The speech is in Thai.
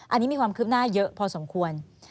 อันนี้มีความคืบหน้าเยอะพอสมควร